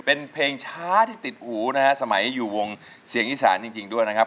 เป็นเพลงช้าที่ติดหูนะฮะสมัยอยู่วงเสียงอีสานจริงด้วยนะครับ